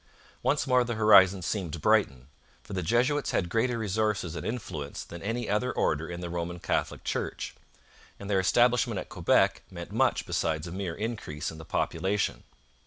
Once more the horizon seemed to brighten, for the Jesuits had greater resources and influence than any other order in the Roman Catholic Church, and their establishment at Quebec meant much besides a mere increase in the population.